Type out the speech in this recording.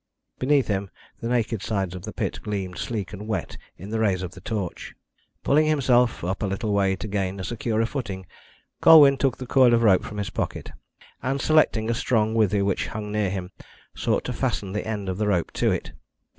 Beneath him the naked sides of the pit gleamed sleek and wet in the rays of the torch. Pulling himself up a little way to gain a securer footing, Colwyn took the coil of rope from his pocket, and selecting a strong withe which hung near him, sought to fasten the end of the rope to it.